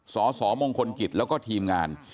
สสมงคลกิจแล้วก็ทีมงาน